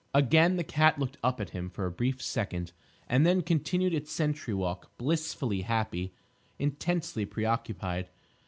Again the cat looked up at him for a brief second, and then continued its sentry walk, blissfully happy, intensely preoccupied.